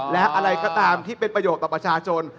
และอะไรก็ตามที่เป็นประโยชน์ต่อประชาชน